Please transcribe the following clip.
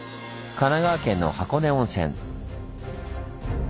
神奈川県の箱根温泉。